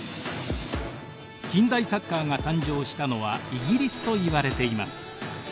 近代サッカーが誕生したのはイギリスといわれています。